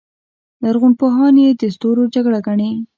لرغونپوهان یې د ستورو جګړه ګڼي.